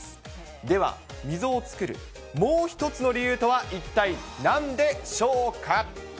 では、溝を作るもう１つの理由とは一体なんでしょうか。